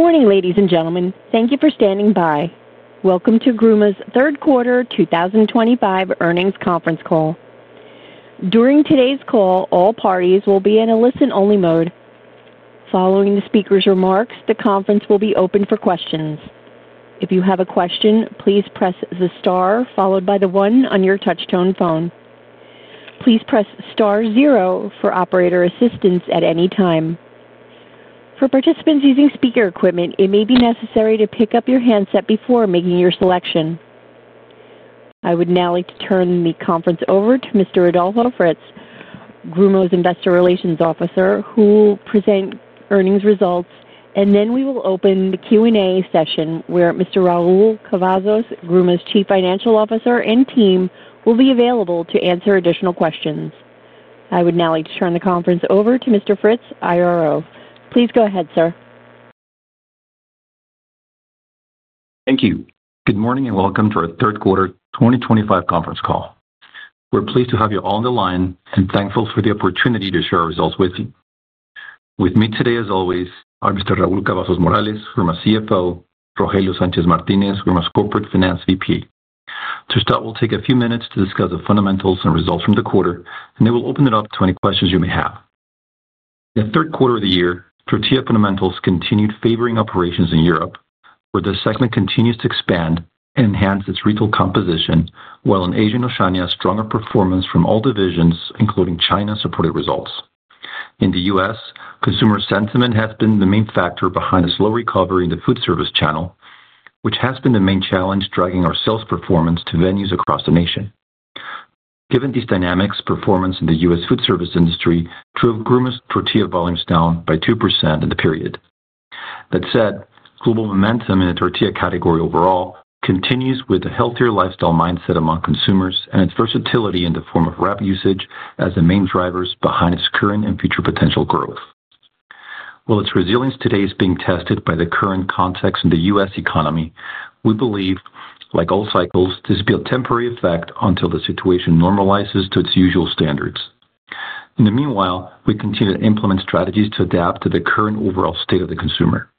Morning, ladies and gentlemen. Thank you for standing by. Welcome to Gruma's third quarter 2025 earnings conference call. During today's call, all parties will be in a listen-only mode. Following the speaker's remarks, the conference will be open for questions. If you have a question, please press the star followed by the one on your touch-tone phone. Please press star zero for operator assistance at any time. For participants using speaker equipment, it may be necessary to pick up your handset before making your selection. I would now like to turn the conference over to Mr. Adolfo Fritz, Gruma's Investor Relations Officer, who will present earnings results, and then we will open the Q&A session where Mr. Raúl Cavazos, Gruma's Chief Financial Officer and team, will be available to answer additional questions. I would now like to turn the conference over to Mr. Fritz, IRO. Please go ahead, sir. Thank you. Good morning and welcome to our third quarter 2025 conference call. We're pleased to have you all on the line and thankful for the opportunity to share our results with you. With me today, as always, are Mr. Raúl Cavazos Morales, former CFO, and Rogelio Sánchez Martínez, Gruma's Corporate Finance VP. To start, we'll take a few minutes to discuss the fundamentals and results from the quarter, and then we'll open it up to any questions you may have. In the third quarter of the year, tortilla fundamentals continued favoring operations in Europe, where this segment continues to expand and enhance its retail composition, while in Asian Oceania, stronger performance from all divisions, including China, supported results. In the U.S., consumer sentiment has been the main factor behind a slow recovery in the food service channel, which has been the main challenge dragging our sales performance to venues across the nation. Given these dynamics, performance in the U.S. food service industry drove Gruma's tortilla volumes down by 2% in the period. That said, global momentum in the tortilla category overall continues with a healthier lifestyle mindset among consumers and its versatility in the form of rep usage as the main drivers behind its current and future potential growth. While its resilience today is being tested by the current context in the U.S. economy, we believe, like all cycles, this will be a temporary effect until the situation normalizes to its usual standards. In the meanwhile, we continue to implement strategies to adapt to the current overall state of the consumer.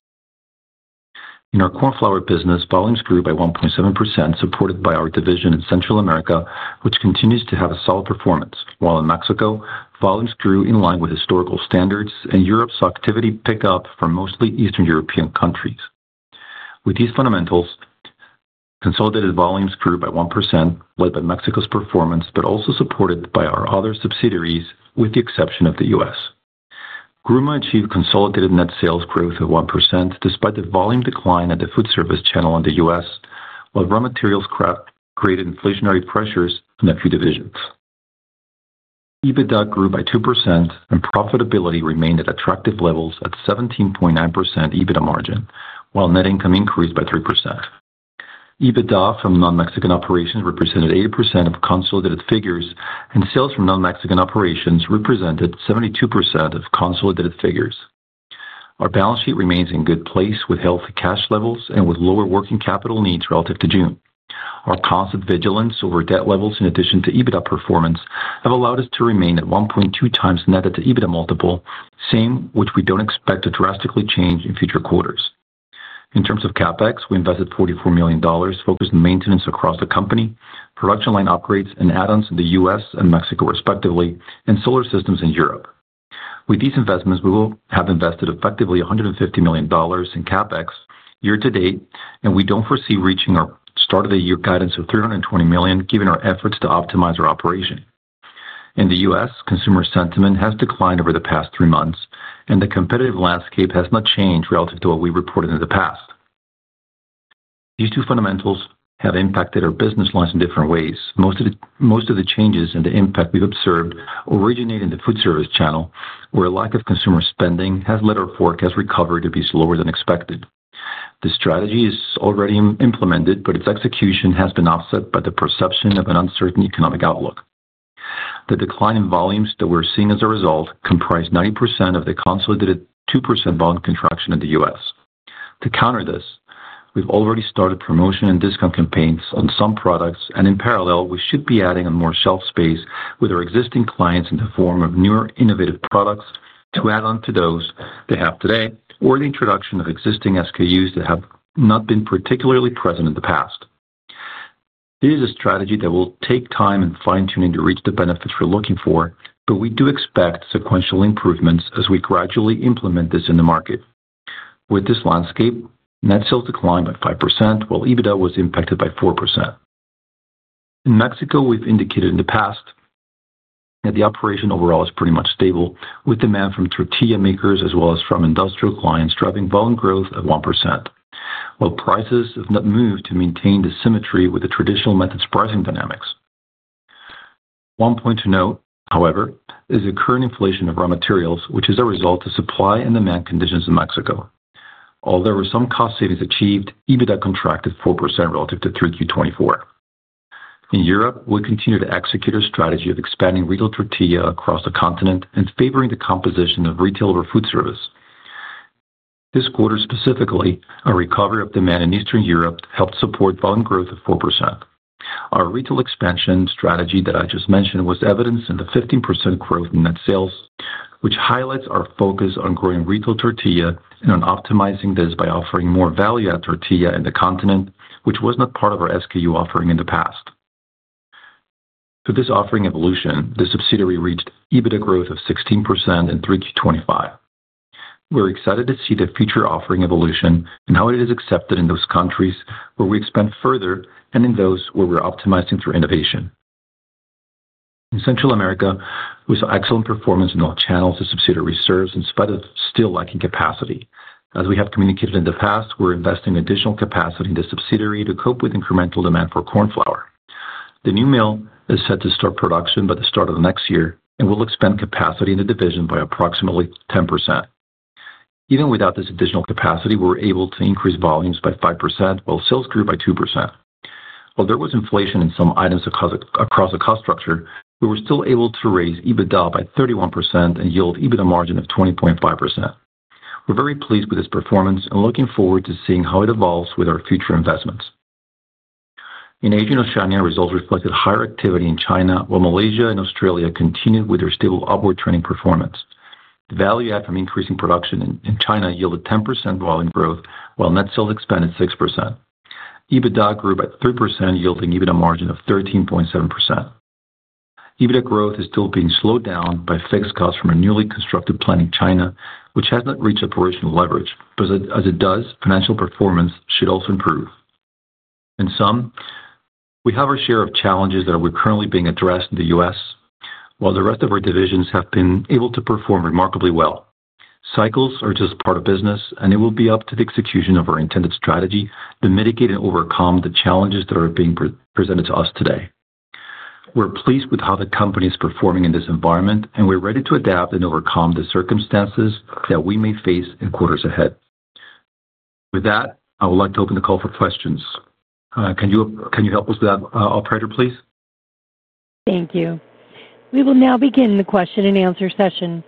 In our corn flour business, volumes grew by 1.7%, supported by our division in Central America, which continues to have a solid performance, while in Mexico, volumes grew in line with historical standards, and Europe saw activity pick up for mostly Eastern European countries. With these fundamentals, consolidated volumes grew by 1%, led by Mexico's performance, but also supported by our other subsidiaries, with the exception of the U.S. Gruma achieved consolidated net sales growth of 1% despite the volume decline at the food service channel in the U.S., while raw materials created inflationary pressures in a few divisions. EBITDA grew by 2%, and profitability remained at attractive levels at 17.9% EBITDA margin, while net income increased by 3%. EBITDA from non-Mexican operations represented 80% of consolidated figures, and sales from non-Mexican operations represented 72% of consolidated figures. Our balance sheet remains in a good place with healthy cash levels and with lower working capital needs relative to June. Our constant vigilance over debt levels, in addition to EBITDA performance, has allowed us to remain at 1.2x net debt to EBITDA multiple, which we don't expect to drastically change in future quarters. In terms of CapEx, we invested $44 million focused on maintenance across the company, production line upgrades and add-ons in the U.S. and Mexico, respectively, and solar systems in Europe. With these investments, we will have invested effectively $150 million in CapEx year to date, and we don't foresee reaching our start-of-the-year guidance of $320 million, given our efforts to optimize our operation. In the U.S., consumer sentiment has declined over the past three months, and the competitive landscape has not changed relative to what we reported in the past. These two fundamentals have impacted our business lines in different ways. Most of the changes and the impact we've observed originate in the food service channel, where a lack of consumer spending has led our forecast recovery to be slower than expected. The strategy is already implemented, but its execution has been offset by the perception of an uncertain economic outlook. The decline in volumes that we're seeing as a result comprises 90% of the consolidated 2% volume contraction in the U.S. To counter this, we've already started promotion and discount campaigns on some products, and in parallel, we should be adding on more shelf space with our existing clients in the form of newer innovative products to add on to those they have today or the introduction of existing SKUs that have not been particularly present in the past. It is a strategy that will take time and fine-tuning to reach the benefits we're looking for, but we do expect sequential improvements as we gradually implement this in the market. With this landscape, net sales declined by 5%, while EBITDA was impacted by 4%. In Mexico, we've indicated in the past that the operation overall is pretty much stable, with demand from tortilla makers as well as from industrial clients driving volume growth of 1%, while prices have not moved to maintain the symmetry with the traditional methods' pricing dynamics. One point to note, however, is the current inflation of raw material costs, which is a result of supply and demand conditions in Mexico. Although there were some cost savings achieved, EBITDA contracted 4% relative to 3Q24. In Europe, we'll continue to execute our strategy of expanding retail tortilla across the continent and favoring the composition of retail over food service. This quarter, specifically, a recovery of demand in Eastern Europe helped support volume growth of 4%. Our retail expansion strategy that I just mentioned was evidenced in the 15% growth in net sales, which highlights our focus on growing retail tortilla and on optimizing this by offering more value-add tortilla in the continent, which was not part of our SKU offering in the past. For this offering evolution, the subsidiary reached EBITDA growth of 16% in 3Q25. We're excited to see the future offering evolution and how it is accepted in those countries where we expand further and in those where we're optimizing through innovation. In Central America, we saw excellent performance in all channels of subsidiary reserves in spite of still lacking capacity. As we have communicated in the past, we're investing additional capacity in the subsidiary to cope with incremental demand for corn flour. The new mill is set to start production by the start of the next year and will expand capacity in the division by approximately 10%. Even without this additional capacity, we're able to increase volumes by 5%, while sales grew by 2%. While there was inflation in some items across the cost structure, we were still able to raise EBITDA by 31% and yield EBITDA margin of 20.5%. We're very pleased with this performance and looking forward to seeing how it evolves with our future investments. In Asian Oceania, results reflected higher activity in China, while Malaysia and Australia continued with their stable upward trending performance. The value-add from increasing production in China yielded 10% volume growth, while net sales expanded 6%. EBITDA grew by 3%, yielding EBITDA margin of 13.7%. EBITDA growth is still being slowed down by fixed costs from a newly constructed plant in China, which has not reached operational leverage, but as it does, financial performance should also improve. In sum, we have our share of challenges that are currently being addressed in the U.S., while the rest of our divisions have been able to perform remarkably well. Cycles are just part of business, and it will be up to the execution of our intended strategy to mitigate and overcome the challenges that are being presented to us today. We're pleased with how the company is performing in this environment, and we're ready to adapt and overcome the circumstances that we may face in quarters ahead. With that, I would like to open the call for questions. Can you help us with that, operator, please? Thank you. We will now begin the question and answer session.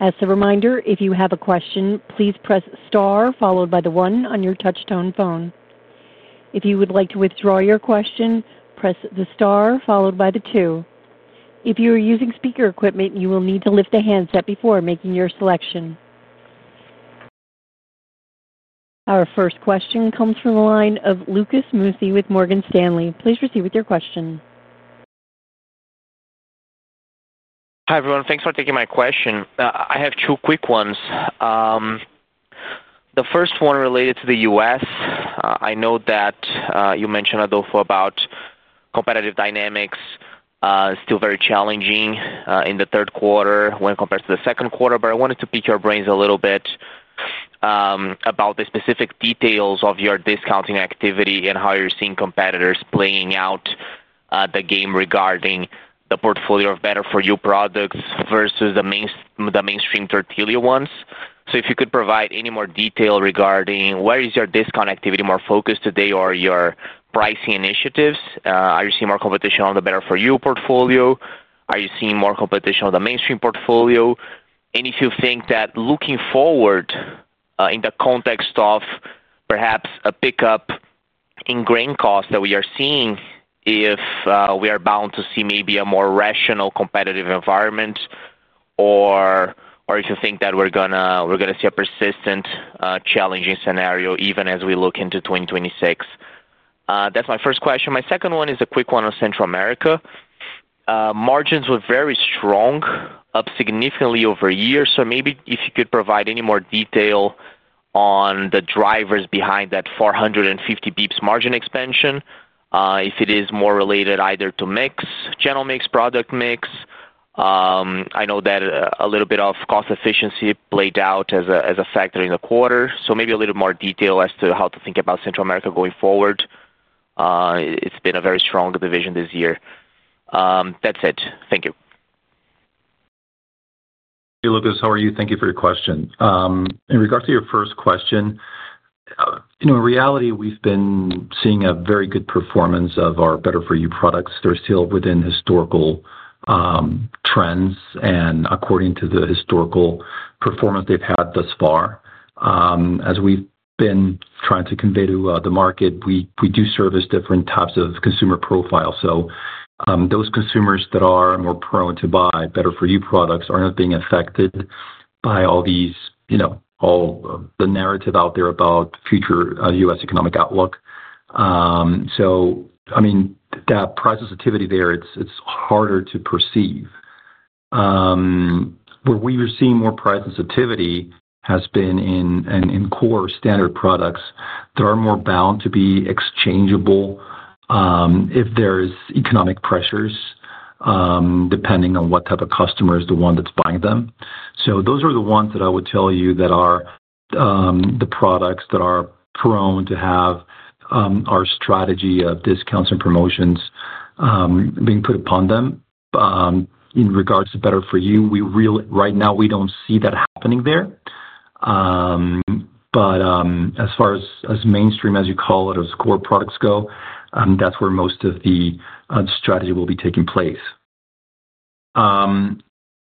As a reminder, if you have a question, please press star followed by the one on your touch-tone phone. If you would like to withdraw your question, press the star followed by the two. If you are using speaker equipment, you will need to lift a handset before making your selection. Our first question comes from the line of Lucas Mussi with Morgan Stanley. Please proceed with your question. Hi, everyone. Thanks for taking my question. I have two quick ones. The first one related to the U.S. I know that you mentioned, Adolfo, about competitive dynamics still very challenging in the third quarter when compared to the second quarter, but I wanted to pick your brains a little bit about the specific details of your discounting activity and how you're seeing competitors playing out the game regarding the portfolio of better-for-you products versus the mainstream tortilla ones. If you could provide any more detail regarding where is your discount activity more focused today or your pricing initiatives? Are you seeing more competition on the better-for-you portfolio? Are you seeing more competition on the mainstream portfolio? If you think that looking forward in the context of perhaps a pickup in grain costs that we are seeing, if we are bound to see maybe a more rational competitive environment, or if you think that we're going to see a persistent challenging scenario even as we look into 2026. That's my first question. My second one is a quick one on Central America. Margins were very strong, up significantly over a year. Maybe if you could provide any more detail on the drivers behind that 450-bps margin expansion, if it is more related either to channel mix, product mix. I know that a little bit of cost efficiency played out as a factor in the quarter. Maybe a little more detail as to how to think about Central America going forward. It's been a very strong division this year. That's it. Thank you. Hey, Lucas. How are you? Thank you for your question. In regard to your first question, in reality, we've been seeing a very good performance of our better-for-you products. They're still within historical trends, and according to the historical performance they've had thus far, as we've been trying to convey to the market, we do service different types of consumer profiles. Those consumers that are more prone to buy better-for-you products are not being affected by all the narrative out there about the future U.S. economic outlook. That price sensitivity there, it's harder to perceive. Where we are seeing more price sensitivity has been in core standard products that are more bound to be exchangeable if there's economic pressures, depending on what type of customer is the one that's buying them. Those are the ones that I would tell you that are the products that are prone to have our strategy of discounts and promotions being put upon them. In regards to better-for-you, right now, we don't see that happening there. As far as mainstream, as you call it, or core products go, that's where most of the strategy will be taking place.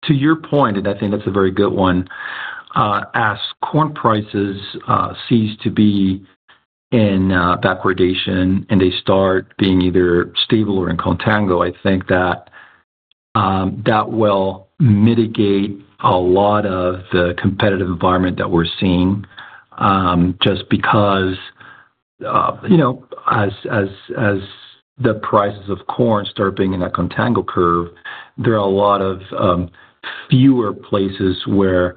To your point, and I think that's a very good one, as corn prices cease to be in backwardation and they start being either stable or in contango, I think that that will mitigate a lot of the competitive environment that we're seeing just because, as the prices of corn start being in that contango curve, there are a lot of fewer places where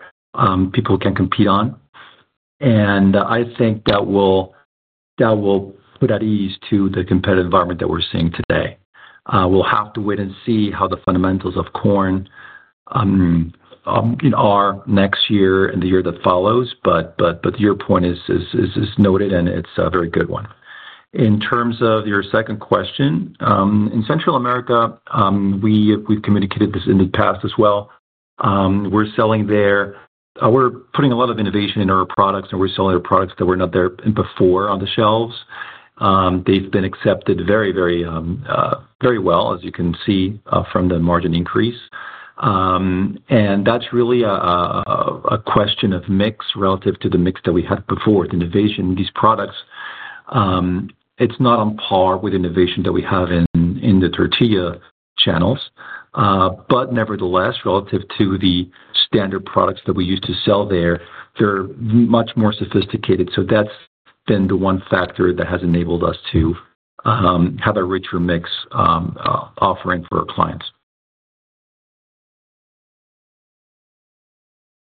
people can compete on. I think that will put at ease the competitive environment that we're seeing today. We'll have to wait and see how the fundamentals of corn are next year and the year that follows. Your point is noted, and it's a very good one. In terms of your second question, in Central America, we've communicated this in the past as well. We're selling there, we're putting a lot of innovation in our products, and we're selling our products that were not there before on the shelves. They've been accepted very, very well, as you can see from the margin increase. That's really a question of mix relative to the mix that we had before with innovation in these products. It's not on par with innovation that we have in the Tortilla channels. Nevertheless, relative to the standard products that we used to sell there, they're much more sophisticated. That's been the one factor that has enabled us to have a richer mix offering for our clients.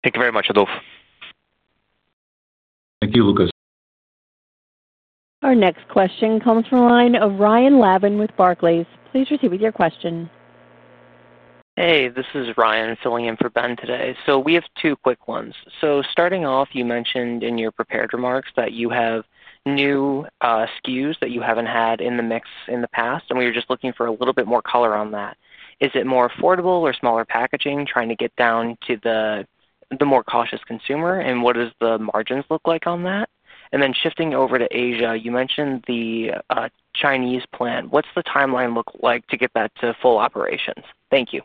Thank you very much, Adolfo. Thank you, Lucas. Our next question comes from a line of Ryan Lavin with Barclays. Please proceed with your question. Hey, this is Ryan filling in for Ben today. We have two quick ones. Starting off, you mentioned in your prepared remarks that you have new SKUs that you haven't had in the mix in the past, and we were just looking for a little bit more color on that. Is it more affordable or smaller packaging, trying to get down to the more cautious consumer, and what do the margins look like on that? Shifting over to Asia, you mentioned the Chinese plan. What's the timeline look like to get that to full operations? Thank you.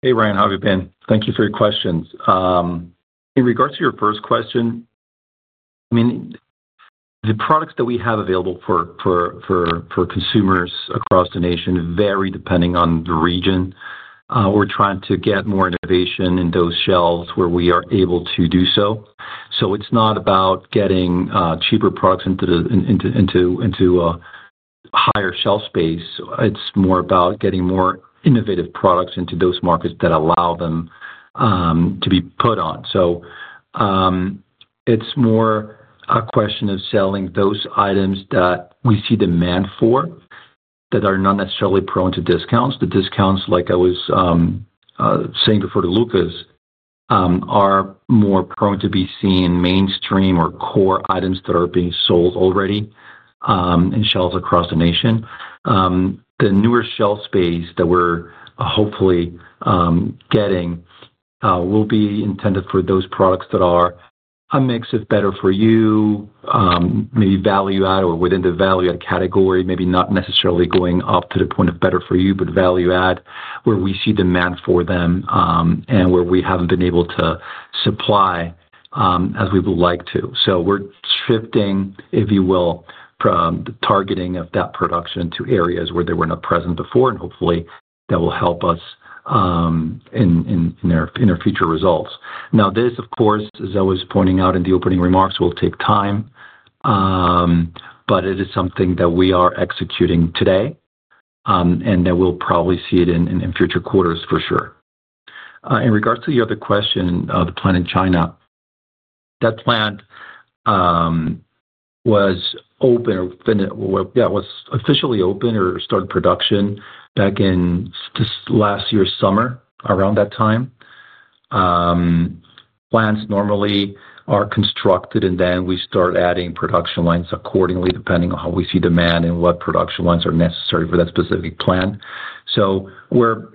Hey, Ryan. How have you been? Thank you for your questions. In regards to your first question, the products that we have available for consumers across the nation vary depending on the region. We're trying to get more innovation in those shelves where we are able to do so. It's not about getting cheaper products into higher shelf space. It's more about getting more innovative products into those markets that allow them to be put on. It's more a question of selling those items that we see demand for that are not necessarily prone to discounts. The discounts, like I was saying before to Lucas, are more prone to be seen in mainstream or core items that are being sold already in shelves across the nation. The newer shelf space that we're hopefully getting will be intended for those products that are a mix of better-for-you, maybe value-add or within the value-add category, maybe not necessarily going up to the point of better-for-you, but value-add where we see demand for them and where we haven't been able to supply as we would like to. We're shifting, if you will, from the targeting of that production to areas where they were not present before, and hopefully, that will help us in our future results. This, of course, as I was pointing out in the opening remarks, will take time, but it is something that we are executing today and that we'll probably see in future quarters for sure. In regards to your other question, the plant in China, that plant was open or, yeah, was officially open or started production back in last year's summer, around that time. Plants normally are constructed, and then we start adding production lines accordingly, depending on how we see demand and what production lines are necessary for that specific plant. We're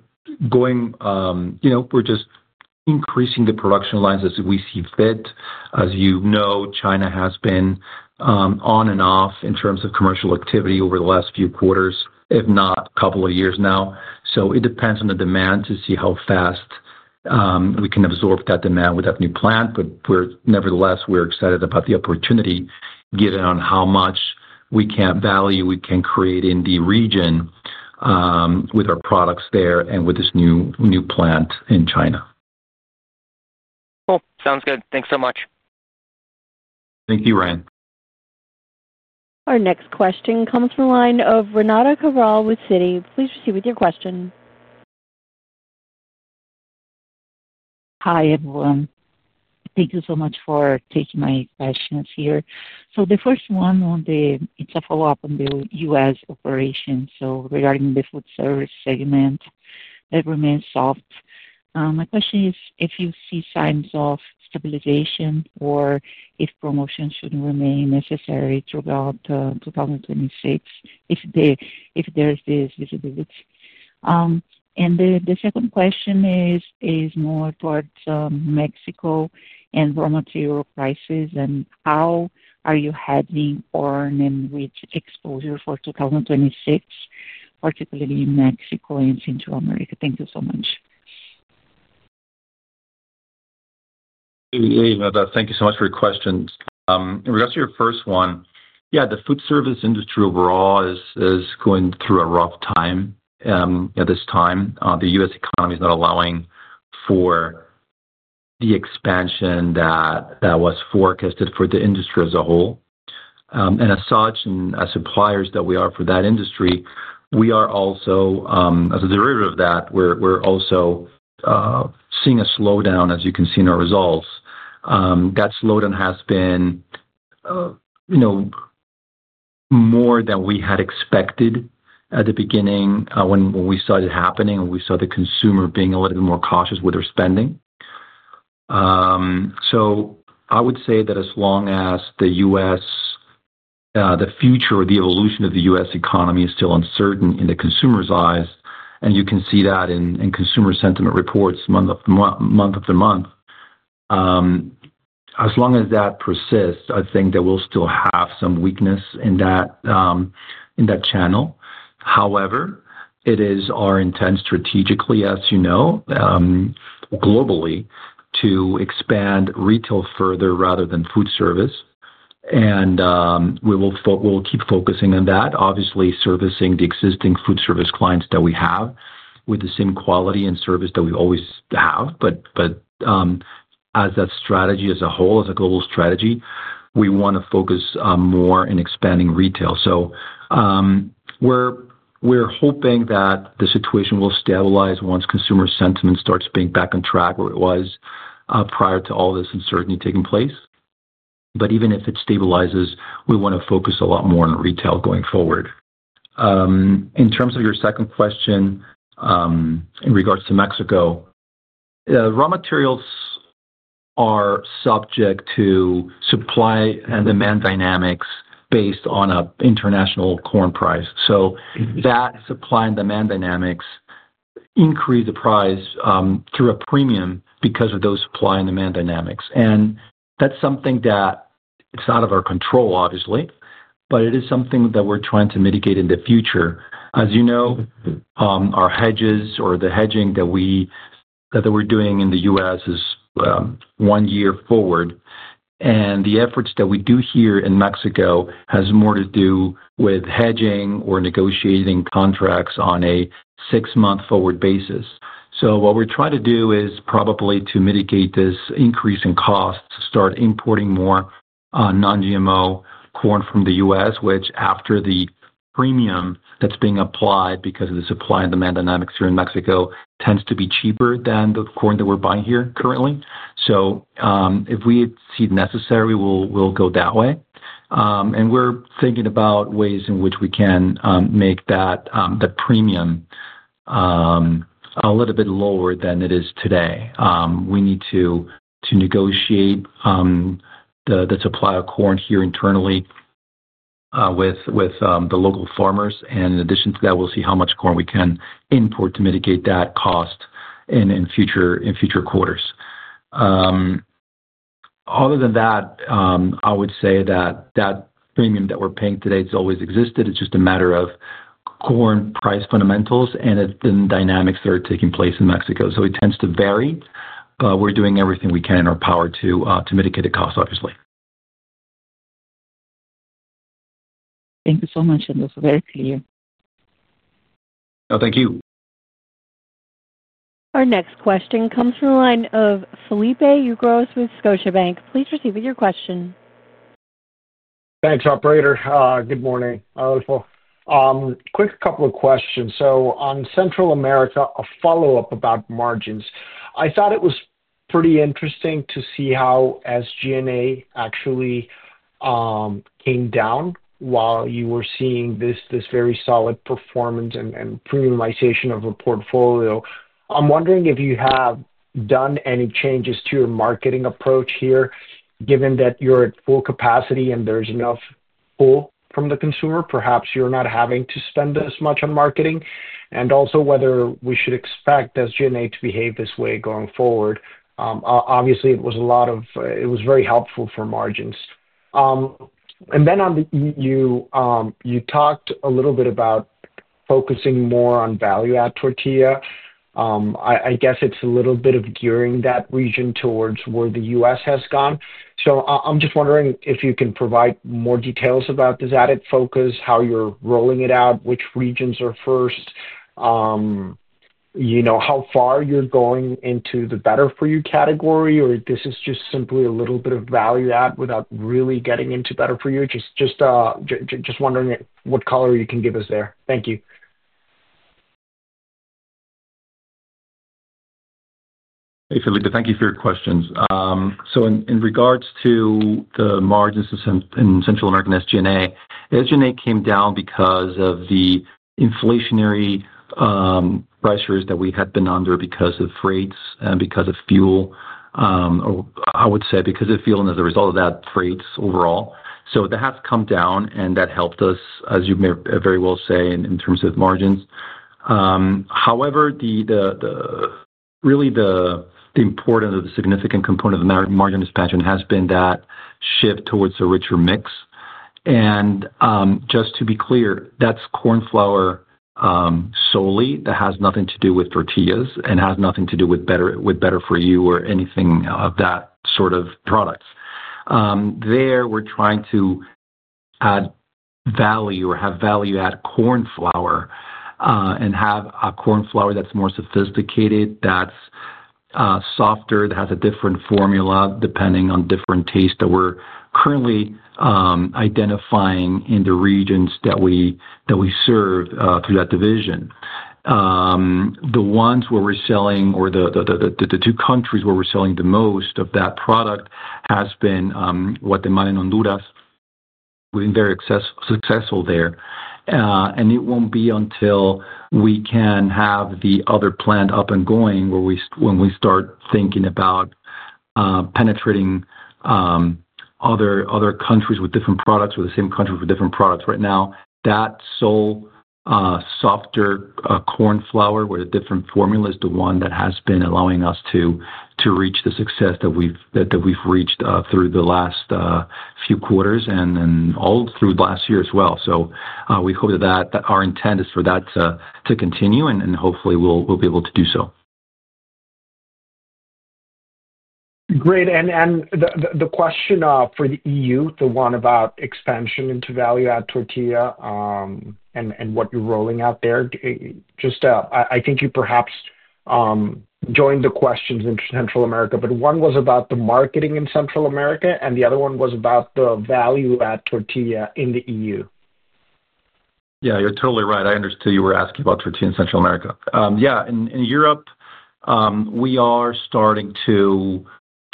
just increasing the production lines as we see fit. As you know, China has been on and off in terms of commercial activity over the last few quarters, if not a couple of years now. It depends on the demand to see how fast we can absorb that demand with that new plant, but nevertheless, we're excited about the opportunity given on how much value we can create in the region with our products there and with this new plant in China. Cool. Sounds good. Thanks so much. Thank you, Ryan. Our next question comes from a line of Renata Cabral with Citibank. Please proceed with your question. Hi, everyone. Thank you so much for taking my questions here. The first one is a follow-up on the U.S. operations. Regarding the food service segment that remains soft, my question is if you see signs of stabilization or if promotions would remain necessary throughout 2026 if there's this visibility. The second question is more towards Mexico and raw material prices and how are you hedging on and with exposure for 2026, particularly in Mexico and Central America. Thank you so much. Hey, thank you so much for your questions. In regards to your first one, yeah, the food service industry overall is going through a rough time at this time. The U.S. economy is not allowing for the expansion that was forecasted for the industry as a whole. As such, and as suppliers that we are for that industry, we are also, as a derivative of that, we're also seeing a slowdown, as you can see in our results. That slowdown has been more than we had expected at the beginning when we saw it happening and we saw the consumer being a little bit more cautious with their spending. I would say that as long as the U.S., the future or the evolution of the U.S. economy is still uncertain in the consumer's eyes, and you can see that in consumer sentiment reports month after month, as long as that persists, I think that we'll still have some weakness in that channel. However, it is our intent strategically, as you know, globally, to expand retail further rather than food service. We will keep focusing on that, obviously servicing the existing food service clients that we have with the same quality and service that we always have. As that strategy as a whole, as a global strategy, we want to focus more in expanding retail. We're hoping that the situation will stabilize once consumer sentiment starts being back on track where it was prior to all this uncertainty taking place. Even if it stabilizes, we want to focus a lot more on retail going forward. In terms of your second question, in regards to Mexico, raw materials are subject to supply and demand dynamics based on an international corn price. That supply and demand dynamics increase the price through a premium because of those supply and demand dynamics. That's something that it's out of our control, obviously, but it is something that we're trying to mitigate in the future. As you know, our hedges or the hedging that we're doing in the U.S. is one year forward. The efforts that we do here in Mexico have more to do with hedging or negotiating contracts on a six-month forward basis. What we're trying to do is probably to mitigate this increase in costs, start importing more non-GMO corn from the U.S., which after the premium that's being applied because of the supply and demand dynamics here in Mexico tends to be cheaper than the corn that we're buying here currently. If we see it necessary, we'll go that way. We are thinking about ways in which we can make that premium a little bit lower than it is today. We need to negotiate the supply of corn here internally with the local farmers. In addition to that, we'll see how much corn we can import to mitigate that cost in future quarters. Other than that, I would say that that premium that we're paying today has always existed. It's just a matter of corn price fundamentals and the dynamics that are taking place in Mexico. It tends to vary, but we're doing everything we can in our power to mitigate the cost, obviously. Thank you so much. That was very clear. No, thank you. Our next question comes from a line of Felipe Ucros with Scotiabank. Please proceed with your question. Thanks, operator. Good morning, Adolfo. Quick couple of questions. On Central America, a follow-up about margins. I thought it was pretty interesting to see how SG&A actually came down while you were seeing this very solid performance and premiumization of the portfolio. I'm wondering if you have done any changes to your marketing approach here, given that you're at full capacity and there's enough pull from the consumer. Perhaps you're not having to spend as much on marketing. Also, whether we should expect SG&A to behave this way going forward. Obviously, a lot of it was very helpful for margins. On the EU, you talked a little bit about focusing more on value-add tortilla. I guess it's a little bit of gearing that region towards where the U.S. has gone. I'm just wondering if you can provide more details about this added focus, how you're rolling it out, which regions are first, how far you're going into the better-for-you category, or if this is just simply a little bit of value-add without really getting into better-for-you. Just wondering what color you can give us there. Thank you. Hey, Felipe. Thank you for your questions. In regards to the margins in Central American SG&A, SG&A came down because of the inflationary pressures that we had been under because of freights and because of fuel, or I would say because of fuel and as a result of that, freights overall. That has come down, and that helped us, as you may very well say, in terms of margins. However, really the importance of the significant component of the margin expansion has been that shift towards a richer mix. Just to be clear, that's corn flour solely that has nothing to do with tortillas and has nothing to do with better-for-you or anything of that sort of products. There, we're trying to add value or have value-add corn flour and have a corn flour that's more sophisticated, that's softer, that has a different formula depending on different tastes that we're currently identifying in the regions that we serve through that division. The ones where we're selling or the two countries where we're selling the most of that product have been Guatemala and Honduras. We've been very successful there. It won't be until we can have the other plant up and going when we start thinking about penetrating other countries with different products or the same countries with different products. Right now, that sole softer corn flour where the different formula is the one that has been allowing us to reach the success that we've reached through the last few quarters and all through the last year as well. We hope that our intent is for that to continue, and hopefully, we'll be able to do so. Great. The question for the EU, the one about expansion into value-add tortilla and what you're rolling out there, just I think you perhaps joined the questions in Central America, but one was about the marketing in Central America, and the other one was about the value-add tortilla in the EU. Yeah, you're totally right. I understood you were asking about tortilla in Central America. In Europe, we are starting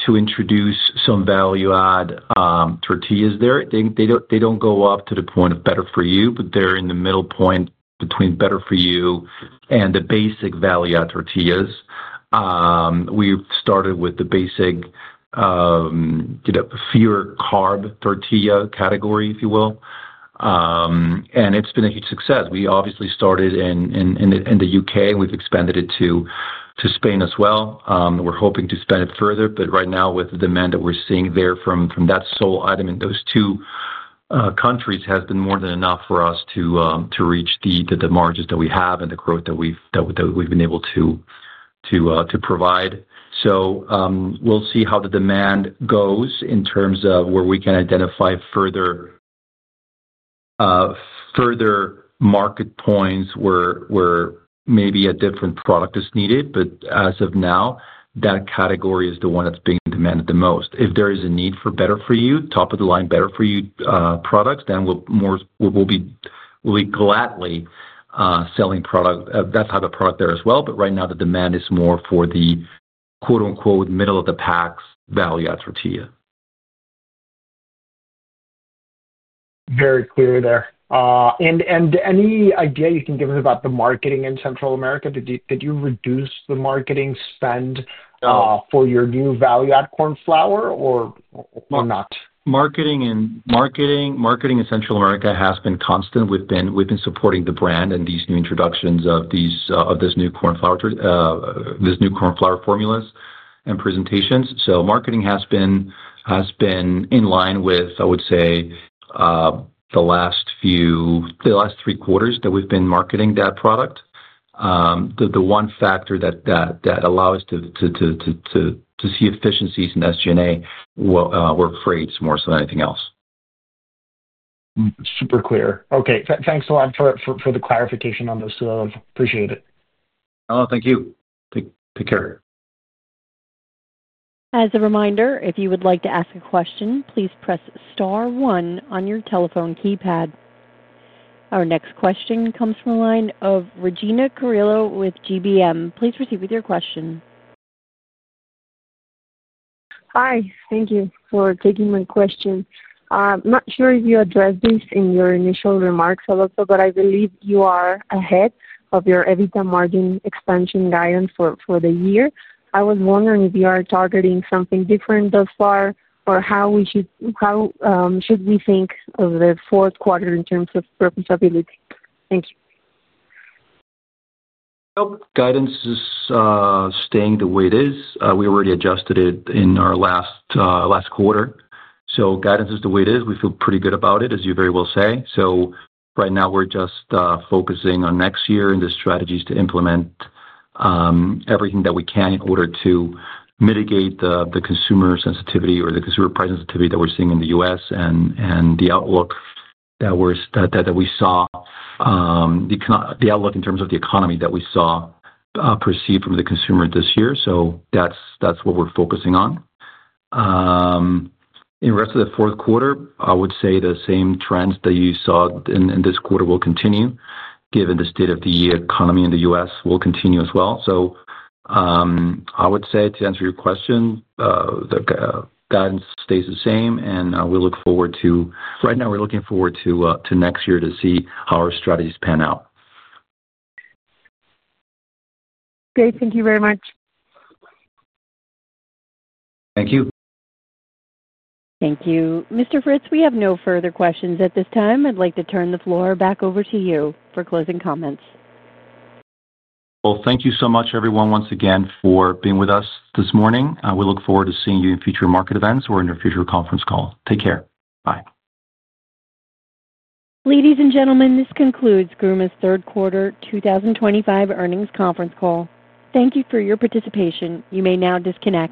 to introduce some value-add tortillas there. They don't go up to the point of better-for-you, but they're in the middle point between better-for-you and the basic value-add tortillas. We've started with the basic, you know, fewer carb tortilla category, if you will. It's been a huge success. We obviously started in the UK, and we've expanded it to Spain as well. We're hoping to expand it further. Right now, the demand that we're seeing there from that sole item in those two countries has been more than enough for us to reach the margins that we have and the growth that we've been able to provide. We'll see how the demand goes in terms of where we can identify further market points where maybe a different product is needed. As of now, that category is the one that's being demanded the most. If there is a need for better-for-you, top-of-the-line better-for-you products, then we'll be gladly selling that type of product there as well. Right now, the demand is more for the quote-unquote "middle of the packs" value-add tortilla. Very clear there. Any idea you can give us about the marketing in Central America? Did you reduce the marketing spend for your new value-add corn flour or not? Marketing in Central America has been constant. We've been supporting the brand and these new introductions of this new corn flour formulas and presentations. Marketing has been in line with, I would say, the last few, the last three quarters that we've been marketing that product. The one factor that allowed us to see efficiencies in SG&A were freights more so than anything else. Super clear. Okay. Thanks a lot for the clarification on those, too, Adolfo. Appreciate it. Oh, thank you. Take care. As a reminder, if you would like to ask a question, please press star one on your telephone keypad. Our next question comes from a line of Regina Carrillo with GBM. Please proceed with your question. Hi. Thank you for taking my question. I'm not sure if you addressed this in your initial remarks, Adolfo, but I believe you are ahead of your EBITDA margin expansion guidance for the year. I was wondering if you are targeting something different thus far or how should we think of the fourth quarter in terms of profitability? Thank you. Guidance is staying the way it is. We already adjusted it in our last quarter. Guidance is the way it is. We feel pretty good about it, as you very well say. Right now, we're just focusing on next year and the strategies to implement everything that we can in order to mitigate the consumer sensitivity or the consumer price sensitivity that we're seeing in the U.S. and the outlook that we saw, the outlook in terms of the economy that we saw perceived from the consumer this year. That's what we're focusing on. In the rest of the fourth quarter, I would say the same trends that you saw in this quarter will continue, given the state of the economy in the U.S. will continue as well. I would say, to answer your question, guidance stays the same, and we look forward to, right now, we're looking forward to next year to see how our strategies pan out. Okay, thank you very much. Thank you. Thank you. Mr. Fritz, we have no further questions at this time. I'd like to turn the floor back over to you for closing comments. Thank you so much, everyone, once again for being with us this morning. We look forward to seeing you in future market events or in a future conference call. Take care. Bye. Ladies and gentlemen, this concludes Gruma's thirdquarter 2025 earnings conference call. Thank you for your participation. You may now disconnect.